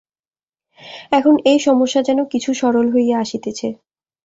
এখন এই সমস্যা যেন কিছু সরল হইয়া আসিতেছে।